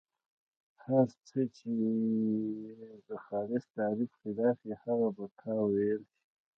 هر څه چې د خالص تعریف خلاف وي هغه به تاویل شي.